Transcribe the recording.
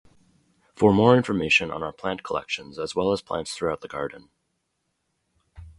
For more information on our plant collections as well as plants throughout the Garden.